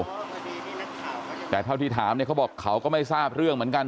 แต่เท่าที่ถามเนี่ยเขาบอกเขาก็ไม่ทราบเรื่องเหมือนกัน